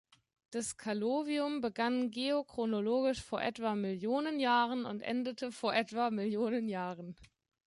Das Callovium begann geochronologisch vor etwa Millionen Jahren und endete vor etwa Millionen Jahren.